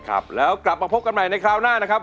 ครับแล้วกลับมาพบกันใหม่ในคราวหน้านะครับ